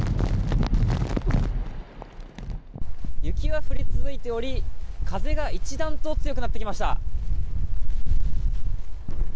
雪は降り続いており風が一段と強くなってきました。